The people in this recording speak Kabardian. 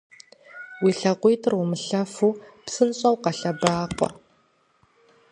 Уи лъакъуитӏыр умылъэфу псынщӏэу къэлъэбакъуэ!